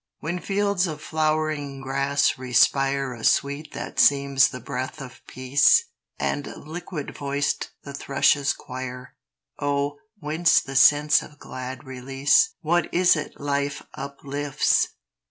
When fields of flowering grass respire A sweet that seems the breath of Peace, And liquid voiced the thrushes choir, Oh, whence the sense of glad release? What is it life uplifts?